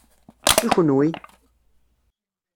I kenwi?